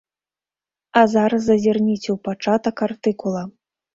А зараз зазірніце ў пачатак артыкула.